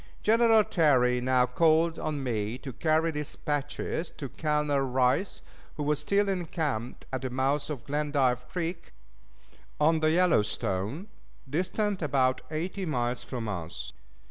General Terry now called on me to carry dispatches to Colonel Rice, who was still encamped at the mouth of Glendive Creek, on the Yellowstone distant about eighty miles from us.